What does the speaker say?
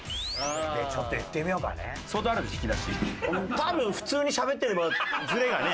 多分普通にしゃべってればズレがね。